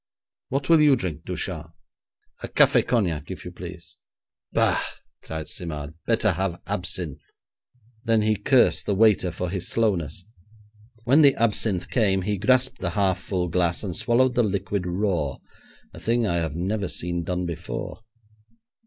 What will you drink, Ducharme?', 'A café cognac, if you please.' 'Bah!' cried Simard; 'better have absinthe.' Then he cursed the waiter for his slowness. When the absinthe came he grasped the half full glass and swallowed the liquid raw, a thing I had never seen done before.